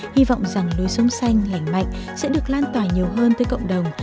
hy vọng rằng lối sống xanh lành mạnh sẽ được lan tỏa nhiều hơn tới cộng đồng